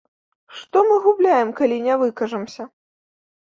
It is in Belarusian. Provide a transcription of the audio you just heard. Што мы губляем, калі не выкажамся?